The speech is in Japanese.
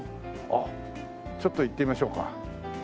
あっちょっと行ってみましょうか。